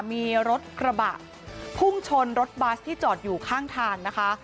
มีรถกระบะพุ่งชนรถบัสที่จอดอยู่ข้างทางนะคะ